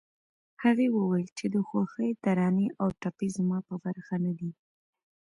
هغې وويل چې د خوښۍ ترانې او ټپې زما په برخه نه دي